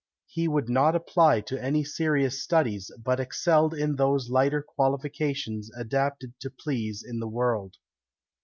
He would not apply to any serious studies, but excelled in those lighter qualifications adapted to please in the world.